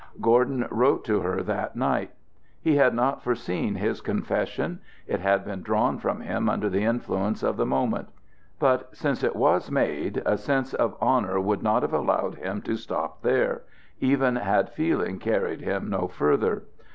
Gordon wrote to her that night. He had not foreseen his confession. It had been drawn from him under the influences of the moment; but since it was made, a sense of honor would not have allowed him to stop there, even had feeling carried him no further.